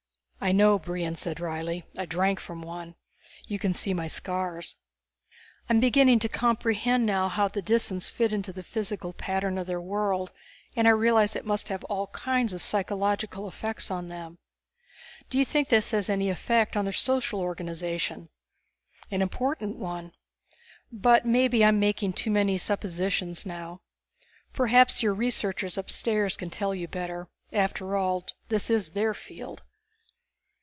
"I know," Brion said wryly. "I drank from one. You can see my scars. I'm beginning to comprehend how the Disans fit into the physical pattern of their world, and I realize it must have all kinds of psychological effects on them. Do you think this has any effect on their social organization?" "An important one. But maybe I'm making too many suppositions now. Perhaps your researchers upstairs can tell you better; after all, this is their field."